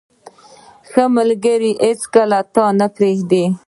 • ښه ملګری هیڅکله تا نه پرېږدي.